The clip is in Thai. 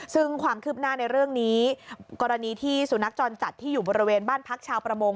ซึ่งความคืบหน้าในเรื่องนี้กรณีที่สุนัขจรจัดที่อยู่บริเวณบ้านพักชาวประมง